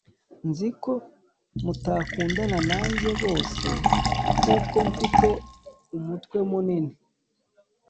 nzi ko mutakundana nanjye bose kuko mfite umutwe munini.